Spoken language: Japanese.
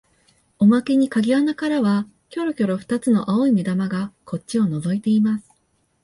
おまけに鍵穴からはきょろきょろ二つの青い眼玉がこっちをのぞいています